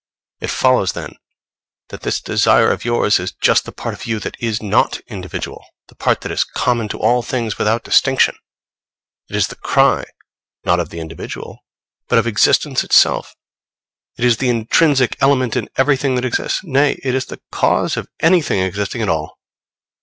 It follows, then, that this desire of yours is just the part of you that is not individual the part that is common to all things without distinction. It is the cry, not of the individual, but of existence itself; it is the intrinsic element in everything that exists, nay, it is the cause of anything existing at all.